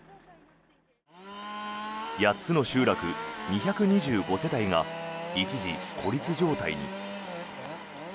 ８つの集落２２５世帯が一時、孤立状態に。